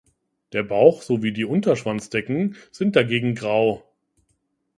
Der Bauch sowie die Unterschwanzdecken sind dagegen grau.